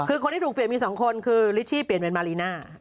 คือคนที่ถูกเปลี่ยนมี๒คนคือลิชชี่เปลี่ยนเป็นมารีน่า